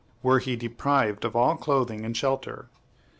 were he deprived of all clothing and shelter....